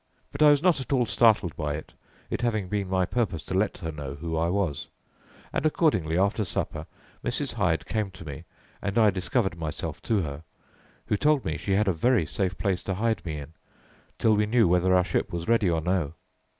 But I was not at all startled by it, it having been my purpose to let her know who I was; and, accordingly, after supper Mrs. Hyde came to me, and I discovered myself to her, who told me she had a very safe place to hide me in, till we knew whether our ship was ready or no.